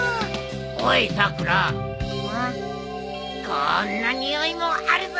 こんなにおいもあるぞ！